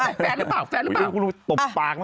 แฟนหรือเปล่า